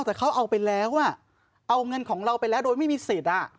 แต่เขาเอาไปแล้วเอาเงินของเราไปแล้วโดยไม่มีสิทธิ์